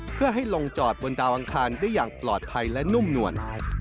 เพื่อให้ลงจอดบนดาวอังคารได้อย่างปลอดภัยและนุ่มนวล